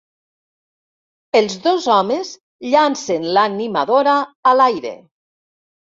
Els dos homes llancen l'animadora a l'aire.